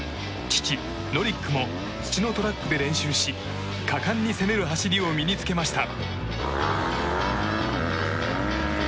父ノリックも土のトラックで練習し果敢に攻める走りを身に着けました。